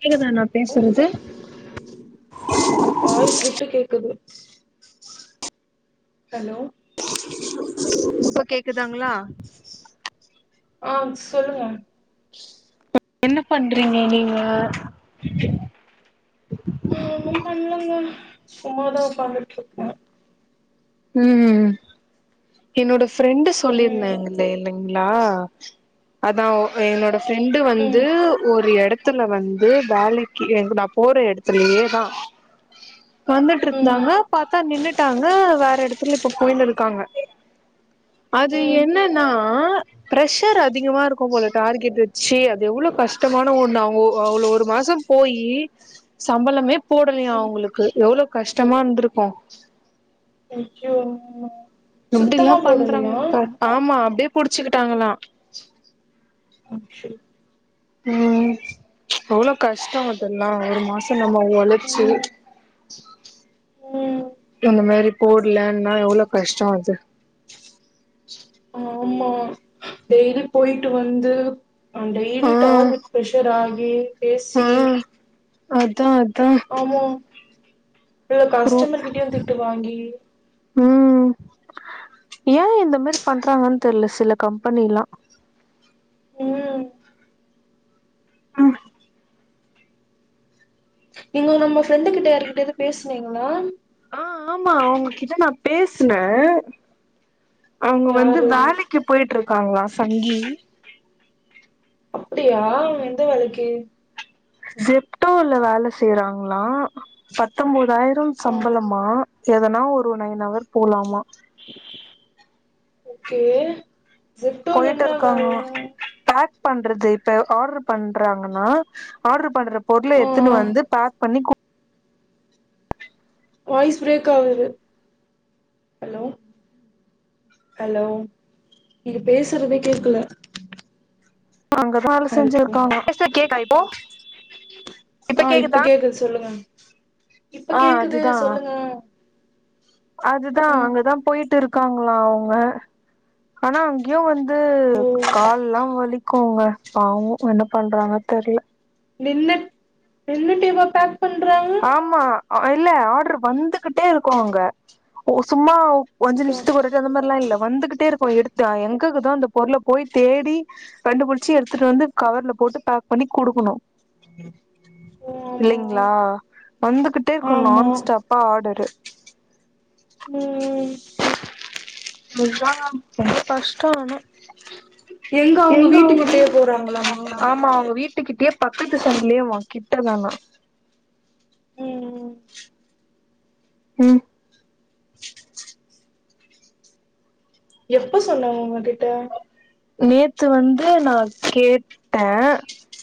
கேக்குதா நா பேசறது வாய்ஸ் விட்டு கேக்குது ஹலோ இப்ப கேக்குதாங்ளா ஆ சொல்லுங்க இப்ப என்ன பண்றீங்க நீங்க நா ஒன்னு பண்லங்க சும்மாதா உக்காந்துட்ருக்க ம் என்னோட ஃப்ரெண்டு ம் சொல்லிருந்தேங்கள இல்லங்க் நா அதா என்னோட ஃரெண்டு வந்து ம் ஒரு எட த்துல வந்து வேலைக்கு எங்க நா போற எடத்துலயேதா வந்துட்டு இருந்தாங்க ம் பாத்தா நின்னுட்டாங்க வேற எடத்துல இப்ப போயின்னு இருக்காங்க அது ம் என்னன்னா பிரஷர் அதிகமா இருக்கு போல டார்கெட் வெச்சு அது எவ்வளோ கஷ்டமான ஒண்ணு அவங்க ஒ அவ்வளோ ஒரு மாசோ போயி சம்பளமே போடலயா ம் அவங்களுக்கு எவ்வளோ கஷ்டமா இருந்து இருக்கோ ஐயோ எப்டில்லா சுத்தமா போடலையா பண்றாங்கன் பாத் ஆமா அப்டியே புடிச்சுக்கிட்டாங்களா அ சே ம் எவ்வளோ கஷ்டோ அதெல்லா ஒரு மாசோ நம்ம ஒழச்சு ம் ம் இந்த மாரி போட்லன்னா எவ்வளோ கஷ்டொ அது ஆமா டெய்லி போயிட்டு வந்து அ ஆ டெய்லி டார்கெட் பிரெஷர் ஆயி ஆ பேசி அதா அதா எ அப்றோ கஸ்டமர் கிட்டயு திட்டு வாங்கி ம் ஏ இந்த மாரி பண்றாங்கன் தெரீல சில கம்பெனில்லா ம் ம் நீங்க நம்ம ஃப்ரெண்டு கிட்ட யார்கிட்டயாது பேச்னீங்களா ஆ ஆமா அவங்ககிட்ட நா பேச்னே அவங்க வந்து யாரு வேலை க்கி போயிட்ருக்காங்களா சங்கி அப்டியா எந்த வேலைக்கு ஜெப்டோல வேல செய்றாங்க்ளா பத்தொன்பதாயிரோ ஆ சம்பளமா எதனா ஒரு நைன் அவர் போலாமா ஓகே ஜெப்டோல போயிட்டு என்ன வேலை இருக்காங்களா பாக் பண்றது இப்ப ஆர்டர் பண்றாங்கனா ஆர்டர் பண்ற பொருள ஆ எத்துனு வந்து பாக் பண்ணி கு வாய்ஸ் பிரேக் ஆகுது ஹலோ ஹலோ நீங்க பேசுறதே கேக்கல அங்க தா வேல ஹலோ செஞ்சிருக்காங்க ஆ இப்ப கேக்குது சொல்லுங்க இப்ப ஆ கேக்குது அதுதா சொல்லுங்க அதுதா ம் அங்கதா போயிட்டு இருக்காங்களா அவுங்க ஆனா அங்கேயோ வந் து ஓ கால்லா வலிக்குங்க பாவோ என்ன பண்றாங்க தெர்ல நின்னு நின்னுடேவா பேக் பண்றாங்க ஆமா இல்ல ஆர்டரு வந்துகிட்டே இருக்கு அங்க உ சும்மா அஞ்சு ஓகே நிமிஷத்துக்கு ஒரு [unintelligible] அந்த மாரிலா இல்ல வந்துகிட்டே இருக்கு எடுத்து அ எங்கக்குதோ அந்த பொருள போய் தேடி கண்டு புடிச்சு எடுத்துட்டு வந்து கவர்ல போட்டு பேக் பண்ணி குடுக்கணு ஓ ஆமா இல்லைங்க்ளா வந்துகிட்டே இருக்கு ஆமா நான் ஸ்டாப்பா ஆர்டரு ம் முஞ்சா ரொம்ப கஷ்டோ ஆனா எங்க அவுங்க வீட்டுக்கிட்டயே போறாங்களாமா ஆமா அவங்க வீட்டுக்கிட்டயே பக்கத்து சந்துலயே வா கிட்டதானா ம் ம் எப்ப சொன்னாங்க உங்ககிட்ட நேத்து வந்து நா கேட்ட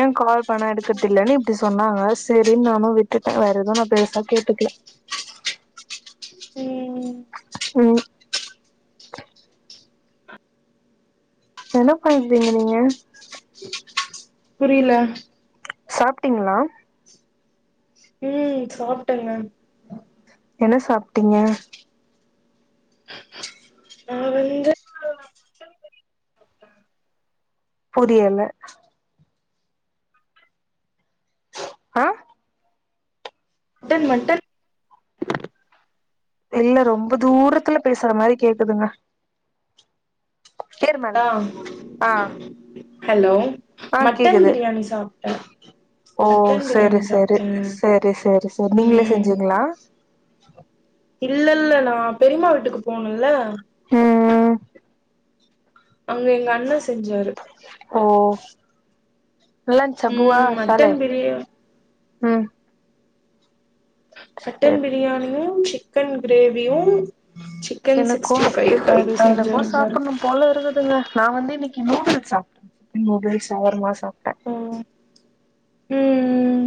ஏன் கால் பண்ண எடுக்கதில்லன்னு இப்டி சொன்னாங்க சரின் நானு விட்டுட்ட வேற எதும் நா பெருசா கேட்டுக்கல ம் ம் என்ன பண்றீங்க நீங்க புரில சாப்ட்டீங்ளா ம் சாப்ட்டங்க என்ன சாப்டீங்க நா வந்து புரியல ஆ ட்டன் மட்டன் இல்ல ரொம்ப தூரத்துல பேசற மாரி கேக்குதுங்க ஏறு மேல அ ஆ ஹலோ ஆ மட்டன் கேக்குது பிரியாணி சாப்ட் அ ஓ சரி சரி சரி சரி சரி நீங்களே ம் செஞ்சீங்ளா இல்ல இல்ல நா பெரியமா வீட்டுக்கு போனல்ல ம் ம் அங்க எங்க அண்ண செஞ்சாரு ஓ நல்லா இருஞ்சா பூவா ம் சாலே மட்டன் பிரியா ம் மட்டன் செரி பிரியாணியு சிக்கன் கிரேவியு சிக் எனக்கு எனக்கு சாப்பணு போல இருக்குதுங்க நா வந்து இன்னக்கி நூடுல்ஸ் சாப்ட நூடுல்ஸ் ஷவர்மா சாப்ட ம் ம் ம்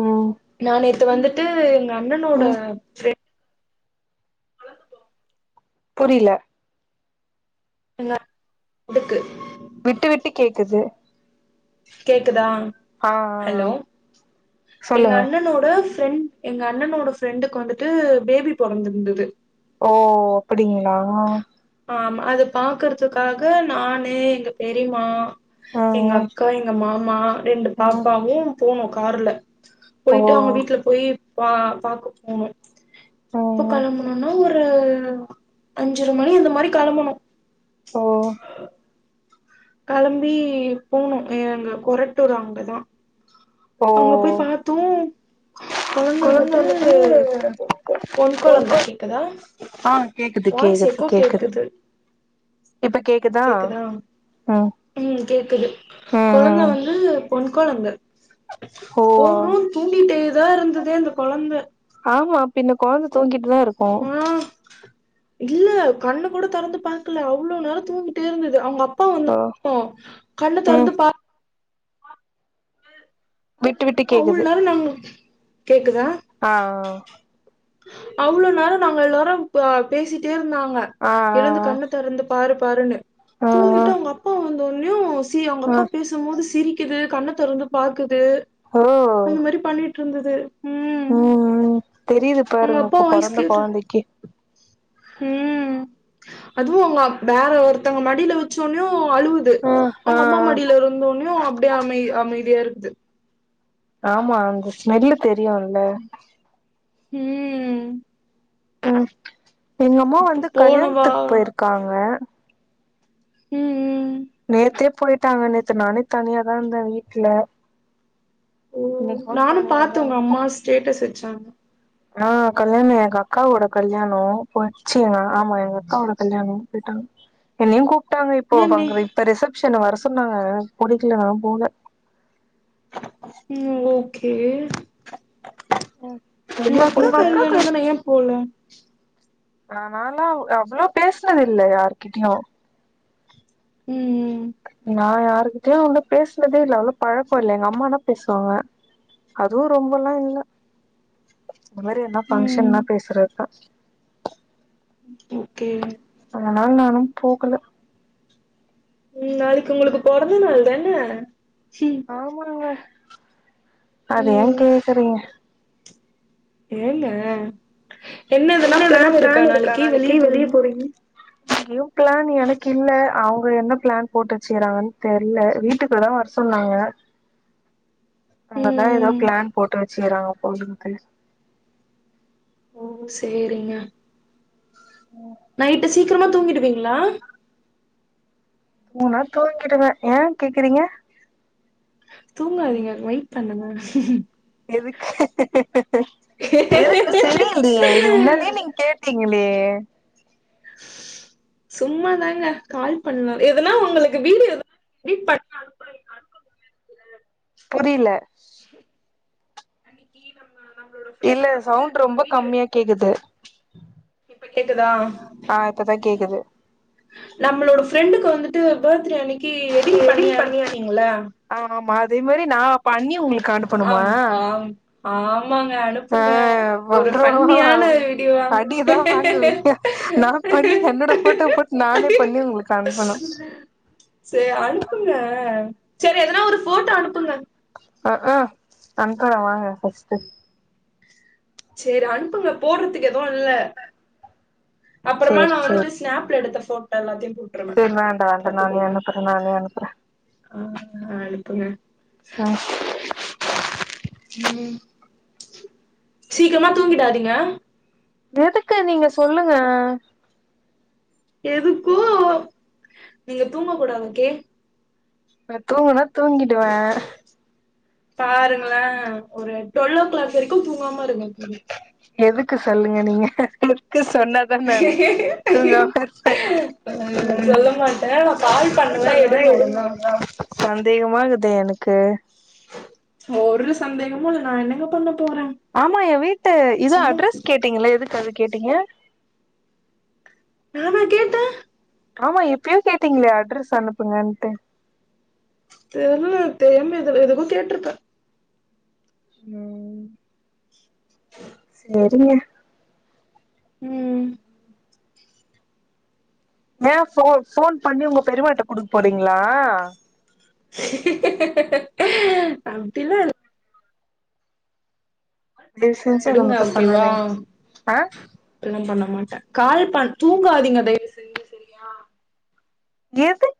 ம் நா நேத்து வந்துட்டு எங்க அண்ணனோட ம் புரில எதுக்கு விட்டு விட்டு கேக்குது கேக்குதா ஆ ஆ ஆ ஹலோ எங்க சொல்லுங்க அண்ணனோட ஃப்ரெண்ட் எங்க அண்ணனோட ஃப்ரெண்டுக்கு வந்துட்டு பேபி பொறந்திருந்துது ஓ அப்டிங்ளா ஆமா அது பாக்குறதுக்காக நானு எங்க பெரிம்மா ஆ எங்க அக் அக்கா எங்க மாமா ரெண்டு ஆ பாப்பாவு போனு கார்ல ஓ போயிட்டு அவங்க வீட்ல போய் பா பாக்க போனோ ஆ எப்ப கெளம்பனும்னா ஒரு ஒரு அஞ்சர மணி அந்த மாரி கெளம்பனு ஓ களம்பி போணு எங்க கொரட்டூர் அங்கதா ஓ அங்க போய் பாத்து கொழந்த வந்துட்டு பொண் ஒன் கொழந்த கொ கேக்குதா ஆ கேக்குது வாய்ஸ் கேக்குது எக்கோ கேக்குது இப்ப கேக்குது கேக்குதா ம் கேக்குது ம் கொழந்த ம் வந்து பொண் கொழந்த ஓ போறோம் தூக்கிட்டே தா இருந்துதே அந்த கொழந்த ஆமா பின்ன கொழந்த தூங்கிட்டு தா இருக்கும் ஆ இல்ல கண்ணு கூட திறந்து பாக்கல அவ்ளோ நேரம் தூங்கிட்டே இருந்தது அவுங்க அப் பா வந்த ஓ கண்ணு ம் திறந்து பா விட்டு விட்டு அவ்ளோ கேக்குது நேரம் நாங்க கேக்குதா ஆ அவ்ளோ நேரம் நாங்க எல்லாரும் பேசிட்டே இருந்தாங்க ஆ ஆ எழுந்து கண்ணு திறந்து பாரு பாருன்னு ஆ தூங்கிட்டு அவுங்க அப்பா வந்த உடனையு சி அவுங்க ஆ அப்பா பேசு போது சிரிக்குது கண்ண திறந்து பாக்குது அந்த மாதிரி பண்ணிட்டு இருந்தது ம் உம் தெரியுது அவங்க பாருங்க அப்பா இப்ப பெறந்த கொழந்தைக்கு உம் அதுவும் அவுங்க வேற ஒருத்தவுங்க மடியில வ ச்சோனையு அழுவுது ஆ ஆ அவுங்க அம்மா மடியில இருந்தோனையு அப்படியே அமை அமைதியா இருக்குது ஆமா அந்த ஸ்மெல்லு தெரியும்ல்ல உம் எங்க அம்மா இப்ப வந்து போனவா கல்யாணத்துக்கு போயிருக்காங்க உம் உம் நேத்தே போயிட்டாங்க நேத்து நானே தனியாதா இருந்தேன் வீட்டுல ஓ நானும் பாத்தே தனியாதா உங்க இருந்தே அம்மா ஸ்டேட்டஸ் வச்சாங்க ஆ கல்யாணம் எங்க அக்காவோட கல்யாணம் போயிச்சுண்ணா ஆமா எங்க அக்காவோட கல்யாணம் போயிட்டாங்க என்னையு கூப்ட்டாங்க இப்போ ஏன் நீ அங்க இப்ப ரிசப்ஷன் வர சொன்னாங்க புடிக்கலா அதா போல உம் ஓகே உங்க வெளிய அக்கா போயிட்டே கல்யாணம் தான ஏன் போல நானா நாலா அவ்வளோ பேசினது இல்ல யாருகிட்டயு உம் நா யாருக்கிட்டயு அவ்ளோ பேசுனதே இல்ல அவ்ளோ பழக்கம் இல்ல எங்க அம்மானா பேசுவாங்க அதுவு ரொம்பல்லா இல்ல இந்த மாதிரி எதுனா ம் ஃபங்க்ஷன்னா பேசுறதா ஓகே அதனால நானும் போகல உம் நாளைக்கு உங்களுக்கு பொறந்த நாள் தான ம் ஆமாங்க அத ஏன் ம் கேக்குறீங்க ஏங்க என்ன எதுனா பிளான் இருக்கா நாளைக்கு வெளிய போறீங்க உ எங்கயு பிளான் எனக்கு இல்ல அவுங்க என்ன பிளான் போட்டு வச்சிகுறாங்கன் தெரில வீட்டுக்கு தான் வர சொன்னாங்க அங்கதா ஏதோ ம் பிளான் போட்டு வச்சிக்குறாங்க போல்ருக்கு ஓ சேரிங்க நைட்டு சீக்கிரமா தூங்கிடுவீங்களா தூங்குனா தூங்கிடுவே ஏன் கேக்குறீங்க தூங்காதீங்க வெயிட் பண்ணுங்க எதுக்கு எதுக்கு சரியில்லையே இது முன்னதே நீங்க கேட் டீங்களே சும்மா தாங்க கால் பண்ண எதுனா உங்களுக்கு வீடியோ எதனா எடிட் பண் புரில அன்னைக்கு நம்ம நம்மளோட இல்ல ஃப்ரெண்டுக்கு வந்துட்டு சவுண்ட் ஒரு ரொம்ப வீடியோ கம்மியா எடிட் பண்ண கேக்குது இப்ப கேக்குதா ஆ இப்பதா கேக்குது நம்மளோட ஃப்ரெண்டுக்கு வந்துட்டு பர்த்டே அன்னைக்கி எடிட் பண்ணி அனுப்னீங்கள ஆ ஆமா அதே மாரி நா பண்ணி உங்களுக் அனுப்பனுமா ஆம் ஆம் ஆமாங்க ஆ அனுப்புங்க ஒரு அப்றோ ஃபன்னியான வீடியோவா அடிதா வாங்குவீங்க நா பண்ணி என்னோட ஃபோட்டோ போட் நானே பண்ணி உங்களுக் அனுப்பனு சே அனுப்புங்க சேரி எதனா ஒரு ஃபோட்டோ அனுப்புங்க அ அ அனுப்பற வாங்க ஃபஸ்ட்டு சேரி அனுப்புங்க போட்றதுக்கு எதுவு இல்ல அப்புறமா சேரி நா வந்துட்டு ஸ்நாப்ல எடுத்த ஃபோட்டோ எல்லாத்யு சேர் வேண்டா வேண்டா நானே அனுப்புற நானே அனுப்புற ஆ அனுப்புங்க ம் ம் சீக்ரமா தூங்கிடாதீங்க எதுக்கு நீங்க சொல்லுங்க எதுக்கோ நீங்க தூங்க கூடாது ஓகே நா தூங்குனா தூங்கிடுவ பாருங்ள ஒரு டொல்லோ கிளாக் வரைக்கு தூங்காம இருங்க போது எதுக்கு சொல்லுங்க நீங்க க்கு சொன்னதா நானு தூங்காம இர்ப்ப ம் சொல்ல மாட்டே நா கால் பண்ணுவே பண்ணுவ எடுங்க ஒழுங்கா ஓகேவா சந்தேகமாகுது எனக்கு ஒரு சந்தேகமு இல்ல நா என்னங்க பண்ண போற ஆமா என் வீட்டு இது அட்ரஸ் கேட்டீங்கல எதுக்கு அது கேட்டீங்க நானா கேட்ட ஆமா எப்யோ கேட்டீங்ளே அட்ரஸ் அனுப்புங்கன்ட்டு தெர்ல தெரியாம இது எதுக்கோ கேட்ருப்ப ம் ஹ [inaudible] சரிங்க ம் ஏன் ஃபோ ஃபோன் பண்ணி உங்க பெரிமாட்ட குடுக் போறீங்ளா [unintelligible] ச [unintelligible] அப்டிலா இல் தயவு செஞ்சு அத எடுங்க மட்டு ஓகே வா பண்ணாதீங்க ஆ அப்டிலா பண்ண மாட்ட கால் பண் தூங்காதீங்க தய்வு ஏது